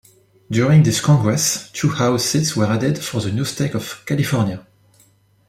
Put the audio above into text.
During this Congress, two House seats were added for the new state of California.